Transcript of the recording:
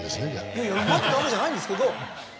いやいや待ってたわけじゃないんですけど。